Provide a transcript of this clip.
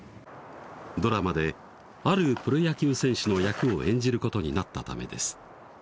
ドラマであるプロ野球選手の役を演じることになったためです